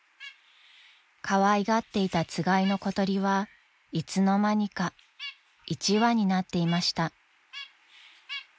［かわいがっていたつがいの小鳥はいつの間にか１羽になっていました］